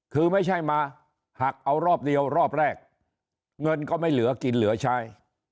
คือไม่ใช่มาหักเอารอบเดียวรอบแรกเงินก็ไม่เหลือกินเหลือใช้